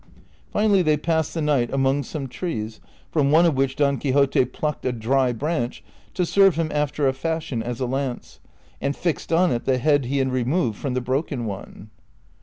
Finally they passed the night among some trees, from one of which Don Quixote plucked a dry branch to serve him after a fashion as a lance, and fixed on it the head he had removed from the l)roken one.